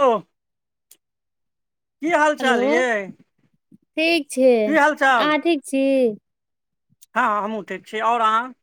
Hello, की हाल hello चाल यै? ठीक छियै। की हाल चाल अहाँ ठीक छी? हँ हँ हमहूँ ठीक छी। आओर अहाँ?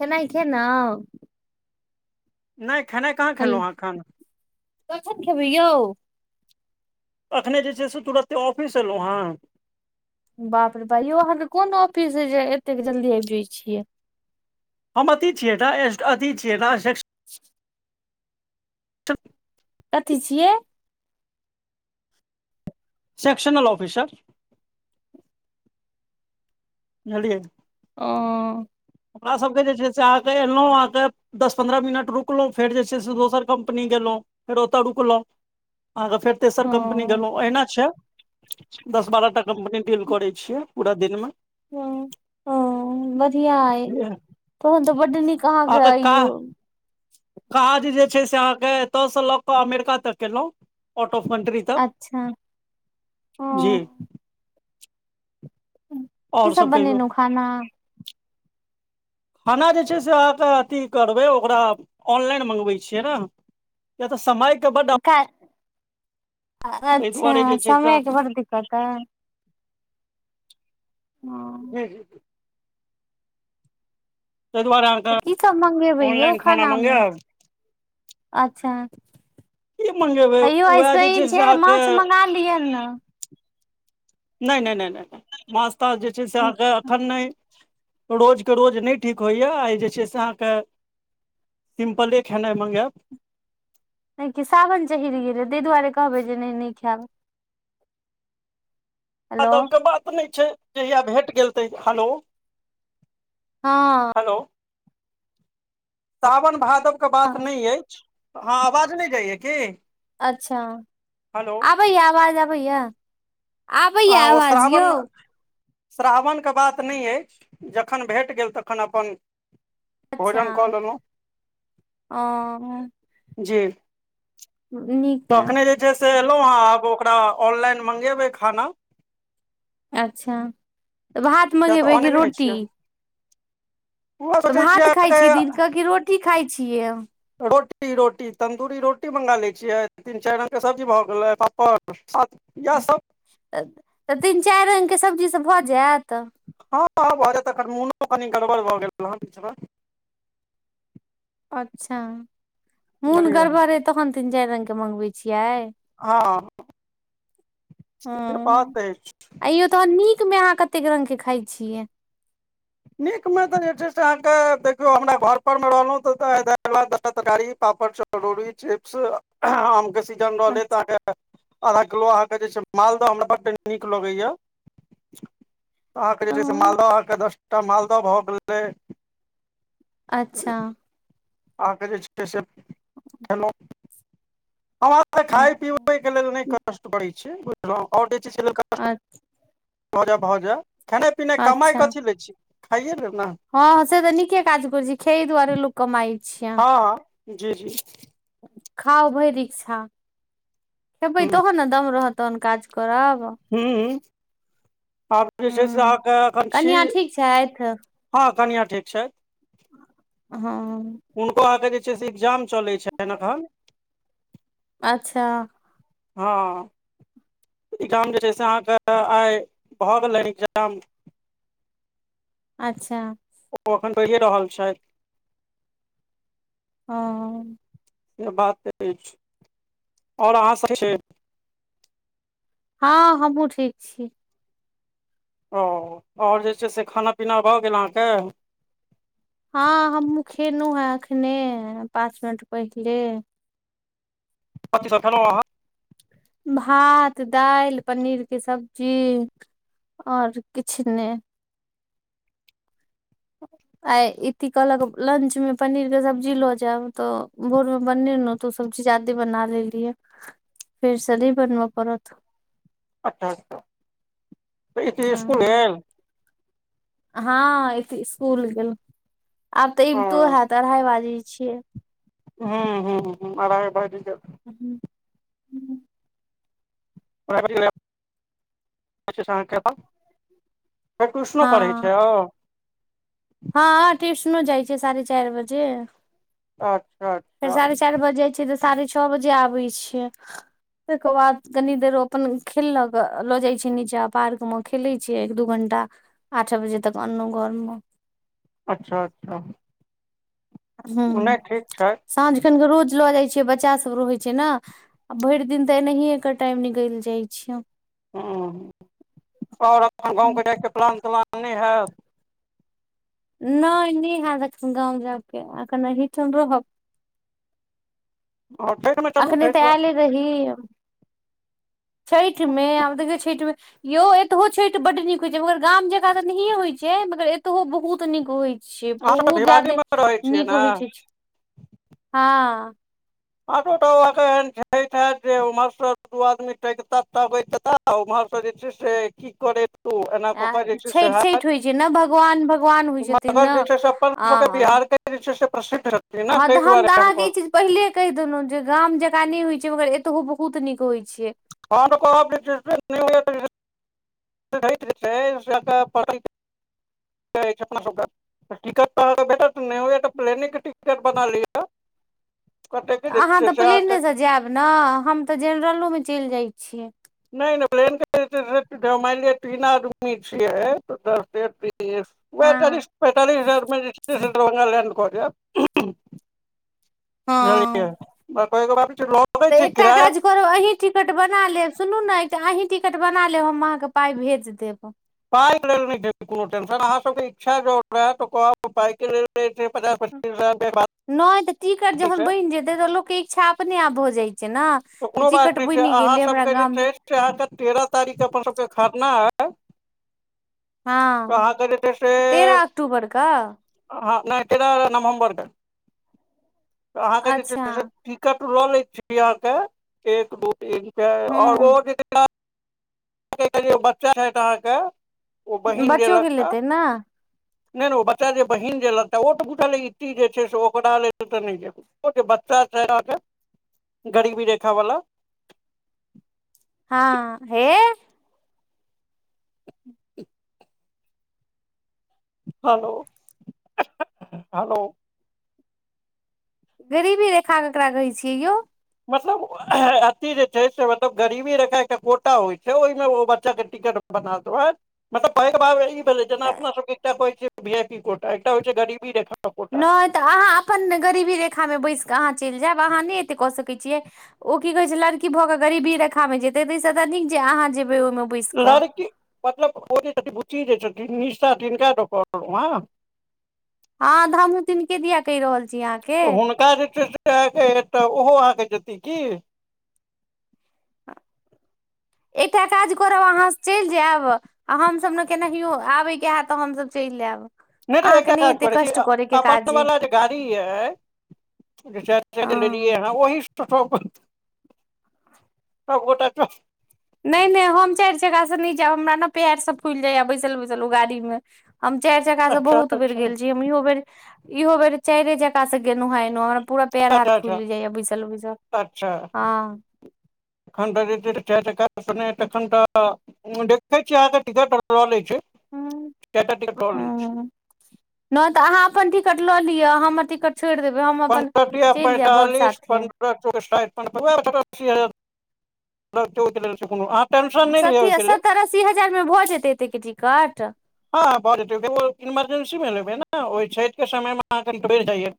खेनाइ खेलौ? नहि खेनाइ कहाँ हेलो खेलहुँ ह अखन। कखन खेबै यौ? अखने जे छै से तुरते ऑफिस से एलहुँ हँ। बाप रे बा यौ अहाँ के कोन ऑफिस अइ जे एतेक जल्दी आबि जाय छियै। हम अथी छियै न अथी छियै [unintelligible] [inaudible] त [inaudible] कथी छियै? सेक्शनल ऑफिसर बुझलियै। आँ ओकरा सबके जे छै से [unintelligible] अहाँके एलौ अहाँके दस पन्द्रह मिनट रुकलौ फेर जे छै, से दोसर कम्पनी गेलौ फेर ओत रुकलौ। अहाँके फेर तेसर ओ कम्पनी गेलौ अहिना छै। दस बारह टा कम्पनी डील करै छियै पूरा दिन मे। हूं ह्म्म बढ़िया अय, बुझलियै तहन तऽ बड्ड नीक अहाँके अइ यौ। काज जे छै से अहाँके एत से लऽ कऽ अमेरिका तक केलौ। आउट ऑफ कन्ट्री तक, अच्छा ओ जी। की और सब कहियौ? बनेलौं खाना खाना जे छै, से अहाँके अथी करबै ओकरा ऑनलाइन मंगबै छियै न। किया तऽ समयके बड कैल्ह दुआरे अच्छा जे छै से समय के बड़ दिक्कत है। हाँ हे जी [unintelligible] तैय दुआरे अहाँके की सब मंगेबे यौ ऑनलाइन खाना मे, मंगायब अच्छा। की मंगेबै हे यौ आय उएह जे सैन से छै, अहाँके माछ मंगा लिय ने। नैय-नैय-नैय-नैय माछ ताछ जे छै से आहाँके एखन नैय रोजके रोज नैय ठीक होय या आय जे छै से आहाँके सिम्पले खेनाय मंगेब। नैय की सावन चहिर गेलै, तैय दुआरे कहबे जे नैय नैय खेब। अ हेलो तो कोई बात नैय छै। जहिया भेट गेल तैयहा, हैलो हां हेलो सावन भादो के बात नैय अइच, हाँ आवाज नैय जाइया की? अच्छा, हेलो आबैया आवाज अबैया। आबैया आवाज यौ। श्रावन के बात नैय अइच, जखन भेट गेल तखन अपन अच्छा भोजन कऽ लेलहुँ ओ जी नीक य तखने जे छै से एयलौ हेँ, आब ओकरा ऑनलाइन मंगेबै खाना। अच्छा, भात किया तऽ मंगेबै ऑने कि नहि रोटी? छियै उह सोचै भात खाय छियै दिने अहाँके क रोटी खाय छियै? रोटी -रोटी तन्दूरी रोटी मंगा लै छियै, तीन चैर रंग के सब्जी भऽ गेलै पापड़ इएह सब तऽ तीन चैर रंग के सब्जी से भ जेऽत। हँँ -हँ भऽ जेतऽ अखन मोनो कनी गड़बड़ भऽ गेल हेँ बीच मे। अच्छा मून बुझलियै गड़बड़ एय तहन तीन चैर रंग के मँगबै छियै। हँ से हां बात अछि एैय यौ त नीक मे आहाँ कते कतेक रंग के खाय छियै? नीक में त जे छै, से आहाँ के देखियौ हमरा घर पर मे रहलौ दैल, भात दसटा तरकारी पापड़, चरौरी चरोरी, चिप्स, आम के सीजन रहले तह [unintelligible] आधा किलो अहाँ देखय छियै मालदह हमरा बड्ड नीक लगैया अहाँके जे छै से अच्छा मालदह अहाँके दसटा मालदह भऽ गेलै अच्छा आहाँ के छय से खेलौं हं अपेंन खाय पिबै हँ के लेल नैय कष्ट करय छियै बुझलौ, और जे छै से लेल कष्ट भऽजै भऽजै खेना पिनाय अच्छा कमाइ कथी लय छीयै खाइये लेए ने हँ हं से तऽ नीके काज करै छी खेए दुआरे लोक कमाय छैय। हं जी-जी खाउ भैइर इच्छा, ह खेबइ तहन ने दम रहत तहन काज करब हूँ तब जे छै से हूँ आंके एखन छी। कनिया ठीक छथि हँ कनियाँ ठीक छैथ। हँ हुनको अहांके जे छै से एग्जाम चलै छैन अखन अच्छा हँ एग्जाम जे छै से अहाँ के आय भऽ गेलै एग्जाम। अच्छा ओ एखन दए रहल छैथ हँ से बात [unintelligible] अइछ आओर अहाँ सब ठीक छी? हँ हमहुँ ठीक छी। ओ आओर जे छै से खाना पीना भऽ गेल अहाँके? हँ हमहुँ खेलुं हें अखने, पाँच मिनट पहिले [unintelligible] अहाँ भात दाइल पनीर के सब्जी आओर किछ ने [inaudible] आय इति कहलक लंच में पनीर के सब्जी ल जैब त, भोर में बनेलौं तोऽ सबजी जादे बना लेलियै फेरसँ नइ बनबऽ पड़त। अच्छा -अच्छा तऽ इति इसकुल हँ गेल? हँ इति इसकूल गेल, आब तऽ ओ अबितो हैत अढ़ाई बाजय छय। हं -हं -हं अढ़ाइ बैइज गेल। [unintelligible] [unintelligible] फेर ट्यूशनो पढ़ै छै हँ ओ? हँ ट्यूशनों जाइ छै साढ़े चाइर बजे अच्छा- अच्छा फेर साढ़े चाइरि बजे जाइ छै तऽ साढ़े छ बजे आबै छय। तकर बाद कनी देर ओ अपन खेललक ल जाय छीयै नीचां पार्क म खे- खेले छियै एक दू घंटा आठ बजे तक अनलहु घर मे अच्छा अच्छा हुं नहि ठीक छै साँझ खनकेऽ रोज लऽ जाइ छियै बच्चासभ रहै छै ने आ भइर दिन तऽ एनाहिए एकर टाइम निकइल जाइ छय। हूँ- आओर अपन गाँवके जाइ के प्लान त्लान नइ है? नइ नैहैत एखन गाँव जायके एखन अहिठाम रहब। ह। [inaudible] अखने तऽ आयले रही छठ मे आब देखियौ छठ मे। यौ एतहु छठ बड नीक होय छै मगर गाम जकाँ ते नहिये होय छै मगर एतहु बहुत नीक होई छै। से अहाँ सब तऽ बहुत भिवानी जादे मे रहै छियै नीक ने होइ छै हँ। आठोटा एहन छै जे उम्हर दू आदमी टता तकताह। उम्हर सं जे छै से की करै। त एना आ कऽ के जे छै से छठि ह छठि होइ छै ने भगवान भगवान होइ छथिन मगर ने जे छै से अपन सबके आ बिहार के। छै से प्रसिद्ध रहत। हँ तऽ हम तऽ अहाँके ई चीज। पहिले कहि देलहुँं जे गाम जेका नहि होइ छै मगर एतहु बहुत नीक होइ छै। हम त कहब जे छै नहीये होई छै। अपना। [unintelligible] टिकट तऽ भेटत नहि नहि होयै त प्लेन के टिकट बना लीय। तऽ अहाँ तऽ अहाँके प्लेनेसँ जायब ने हम तऽ जेनरलोमे चलि जाइत छियै। नहि नहि प्लेनके मान लिय हम तीन आदमी छियै दस तिया तीस। वहै हँ चालीस पैंतालिस हजार मे दरभ्ंगा लैंड क जैत। हँ बुझलियै। [unintelligible] तऽ एकटा किराया काज। करु अहीं टिकट बना लेब सुनू न एक अहीं टिकट बना लेब हम अहाँके पाइ भेज देब। पाइके लेल कोनो टेंशन नई छै अहाँ सबके इच्छा जौ हुए तो कहब पाइके लेल। पचास पच्चीस हजार रुपया। नहि तऽ टिकट जहन बनि जेतै तऽ लोकके इच्छा अपने आप भऽ जाइत छै न। कोनो बात नहि छै अहाँ सबके जे छै से अहाँके तेरह तारीख अपन सबके खरना आउ। तऽ हँ अहाँके जे छै से। तेरह अक्टूबर क हँ नहि तेरह नवम्बरके अहाँके जे अच्छा छै से। टिकट लो ले छी यहाँ के एक दू तीन चार हूँ औ। बच्चा छै अहाँके ओ बहिन जे बच्चो के लगता। लेतै ने नहि नहि ओ बच्चा जे बहीन जे लगतै ओ तऽ बुझल ईी जे छै ओकरा ल तऽ नई छै कोनो। जे बच्चा छै अहांके गरीबी रेखा वला। हँ हे। Hello hello. गरीबी रेखा केकरा कहै छियै यौ। मतलब अथी जे छै से मतलब गरीबी रेखा एकटा कोटा होइ छै ओहिमे ओ बच्चा के टिकट। बना तोहर मतलब पहिल बार रही। जेना अपना सबके एकटा कह छीयइ वी आई पी कोटा एकटा होइ छै गरीबी रेखा। कोटा नहि तऽ अहाँ अपन गरीबी रेखामे बैसि कऽ अहाँ चलि जायब अहाँ नहि एतेक कऽ सकैत छियै। ओ की कहै छै लड़की भऽ कऽ गरीबी रेखामे जेतै ताहिसँ तऽ नीक जे अहाँ जेबै ओहिमे। बैस कऽ लड़की मतलब ओ जे छथिन बुचि जे छथिन निशा तिनका द कहनुहा। हँ तऽ हमहुँ तिनके दिया कहि रहल छी अहाँके। तऽ हुनका जे छै ओहो अहाँके जेती की। एकटा काज करब अहाँ चल जायब। आ हमसभ ने केनाहियो आबेके हैत तऽ हमसभ चलि आयब। नइ नहि तऽ एकटा काज करै छी अपन काज सब अइ वला जे गाड़ी यै। जे चाइर चक्का हँ लेलियए ह ओहि‌ स‌। त तबत सब गोटा चलब। नहि -नहि हम चारि चका स नहि जैब, हमरा ने पायर सब फुलि जाइय बैसल -बैसल ओ गाड़ी मे। हम चारि चका से अच्छा बहुत बेर अच्छा गेल छी, हम इहो बेर, इहो बेर चारे चका से गेलहुँ हँ, ऐलउ हँ। पूरा पेर हाथ अच्छा फूली जाइय बैसल- बैसल, ह। तहन त जे छै से, चारी चक्का स नै, तखन त देखे छीयै अहाँके टिकट ल ले छी चारिटा टिकट ल ले छि। ह नहि तऽ अहाँ अपन टिकट लऽ लिअ, हमर टिकट छोड़ि देबै, हम अपन पन्द्रह तिया चलि जायब बड़ पैंतालिस साथे। [unintelligible] [unintelligible] लिअ सत्तरि, ओहिके लेल अस्सी हजारमे भऽ जेतै एतै के टिकट? हँ ह भ जेतै इमरजेंसी मे लेबे ने, ओहि छठि के समय मे अहाँ कनि बढ़ी जाइये।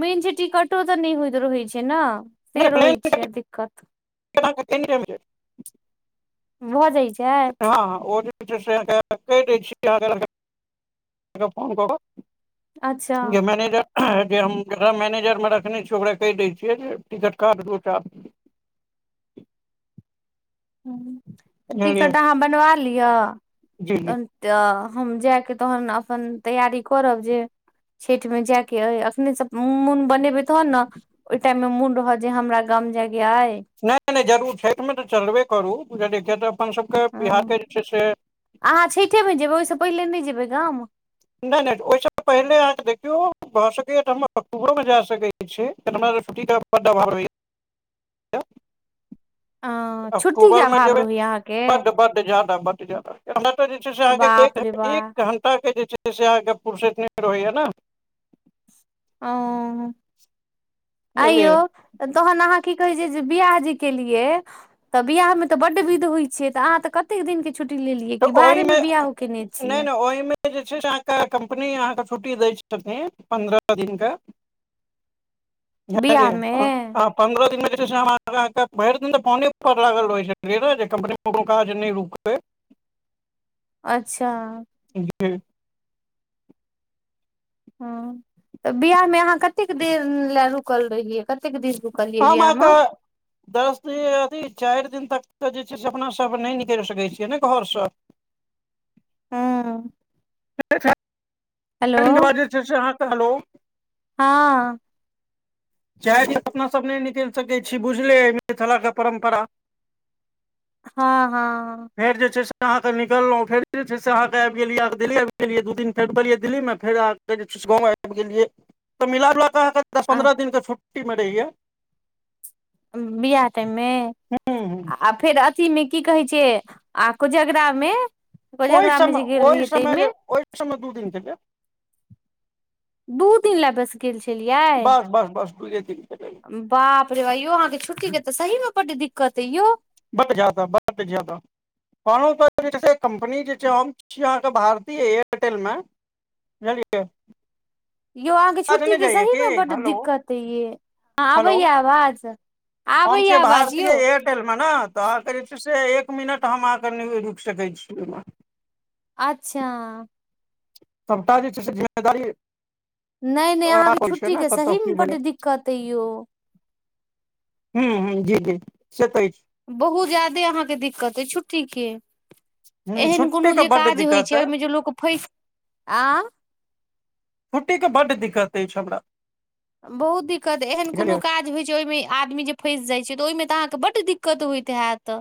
मेन छै टिकटो तऽ नहि होइत रहैत छै न, से नहि प्लेन रहैत छै दिक्कत। [unintelligible] भऽ जाइ छै। हँ -हँ, ओ जे छै से, अहाँके कहि दै छी, अहाँके फोन कऽ कऽ। अच्छा जे मैनेजर जे हम जेकरा मैनेजर मे रखने छियै, ओकरा कहि दै छियै जे, टिकट काट दू टा। हुँ, तऽ बुझलियै टिकट अहाँ बनवा लिअ। जी! तहन तऽ हम जायके तहन अपन तैयारी करब। जे छठि मे जायके अइ, अखने से मोन बनेबै तहन न। ओहि टाइम मे मोन रहत जे, हमरा गाम जायके अइ। नहि- नहि जरूर, छठिमे तऽ चलबे करू, देखिय तऽ अपनसभके बिहारके जे छै से आहाँ छठिेमे जेबै,, ओहिसँ पहिले नहि जेबै गाम? नहि -नहि ओहिस पहिले अहाँके देखियौ, भऽ सकैया तऽ हम अक्टूबरो मे जा सकैय ठीक छै, हमरा तछुट्टी के बड अभाव अइ। अ छुट्टी के अकतूबरमे अभाव जेबै, रहैया अहाँके बड- बड ज्यादा, बड ज्यादा। हमरा तऽ जे छै से अहाँके, बाप रे बाप एक घण्टा के जे छै से अहाँके फुरसैत नै रहैया न। ओ, आइयो! बुझलियै तहन अहाँ की कहै छै जे, बियाह जे केलियै। तऽ बियाह मे तऽ बड विध होइ छै, तऽ अहाँ तऽ कतेक दिन के छुट्टी लेलियै, कि तऽ बाहरे मे ओहिमे बियाहो केने नहि छियै? नहि ओहिमे जे छै से अहाँके, कम्पनी अहाँके छुट्टी दै छथिन, पन्द्रह दिनके। बुझलियै बिआहमे [unintelligible] पन्द्रह दिनमे जे छै से हम अहाँके, भैर दिन तऽ फोने पर लागल रहै छलियै न, जे कम्पनीमे ककरो काज नहि रुकै। अच्छा! ह [inaudible] ह तऽ बियाह मे अहाँ कतेक देर ले रुकल रहियै, कतेक देर रु हम अहाँके दस दिन, अथी चारि दिन तक त जे छै से, अपना सब नहि निकल सकै छियै ने घर सऽ। हँ कह [inaudible] से हेलो चार दिन के बाद, अहाँ के हलो! हँ। चारि दिन अपना सब नहि निकलि सकै छी, बुझले अइ मिथिलाके परम्परा। हँ- हँ। फेर जे छै से अहाँके निकलहुँ, फेर जे छै अहाँके आबि गेलियै दिल्ली आबि गेलियै, दू दिन फेर रुकलियै दिल्लीमे, फेर आब फेर जे छै से गाँव आबि गेलियै तऽ मिलाजुलाके अहाँक दस आ पन्द्रह दिनके छुट्टीमे रहैया। बिआह टाइमे हूँ हूँ आ फेर अथी मे की कहै छै आ कोजगरा मे। ओहि समय, ओहि समय जे ओहि समय में दु दिन देत। दू दिन लए बस गेल छलियै? बस बस बस दूए दिन के लेल बाप रे यौ अहाँके छुट्टीे तऽ सही मे बडी दिक्कत अइ यौ। बड जादा, बड जादा। कहनो त जे छै कम्पनी जे छै हम छी अहाँके भारतीय एयरटेल मे बुझलियै? यौ अहाँके आवाज छुट्टी नहि के जाइया सही की ने बड हेलो दिक्कत ह ये अआ हेलो आबैया आवाज? आबैया आवाज यौ? होटेल में न तऽ अहाँके जे छै से एक मिनट हम अहाँके नहि रुकि सकै छी ओहिमे। अच्छा सबटा जे छै से जिम्मेदारी नहि नहि अहाँके छै छुट्टी [unintelligible] ने के कतऽ सही मे कि बड्ड भेलै? दिक्कत अइ यौ हूं -हूं जी -जी से तऽ अछि बहुत ज्यादे अहाँके दिक्कत अइ छुट्टीे के। अछि एहन छुट्टी कोनो के जे बड्ड काज होइ दिक्कत छै अइ ओहिमे जे लोक फैस आँ छुट्टीे के बड्ड दिक्कत अइच हमरा। बड दिक्कत एहन बुझलियै कोनो काज होइ छै, ओहिमे आदमी जे फसि जाइ छै, त ओहिमे तऽहाँके बड दिक्कत होइत हैत।